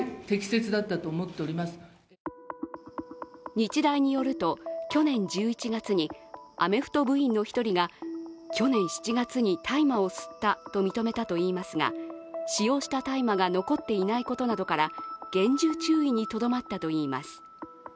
日大によると、去年１１月にアメフト部員の１人が去年７月に大麻を吸ったと認めたといいますが使用した大麻が残っていないことなどから厳重注意にとどまったといいます。